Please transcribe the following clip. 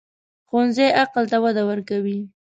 ښوونځی عقل ته وده ورکوي